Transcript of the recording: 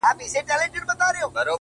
پر ټول جهان دا ټپه پورته ښه ده،